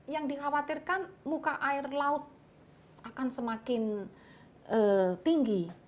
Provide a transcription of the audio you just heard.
yang dikhawatirkan muka air laut akan semakin tinggi